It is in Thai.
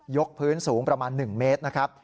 กพื้นสูงประมาณ๑เมตรนะครับ